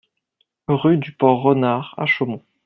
Rue du Port Renard à Chaumont